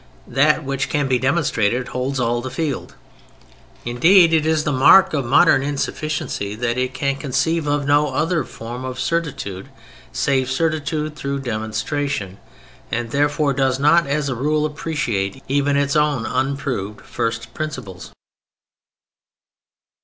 That which can be demonstrated holds all the field. Indeed, it is the mark of modern insufficiency that it can conceive of no other form of certitude save certitude through demonstration, and therefore does not, as a rule, appreciate even its own unproved first principles.